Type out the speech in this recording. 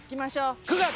９月！